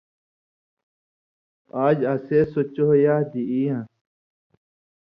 آژ اسے سو چو یادی ای یان٘س